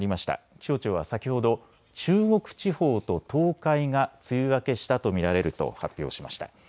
気象庁は先ほど、中国地方と東海が梅雨明けしたと見られると発表しました。